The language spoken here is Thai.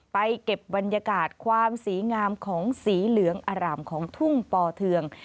เก็บบรรยากาศความสวยงามของสีเหลืองอร่ามของทุ่งป่อเทือง